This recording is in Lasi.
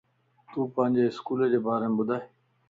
تون پانجي اسڪولجي ڀاريم ٻڌائي